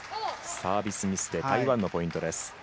サービスミスで台湾のポイントです。